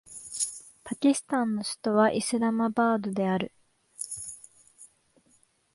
パキスタンの首都はイスラマバードである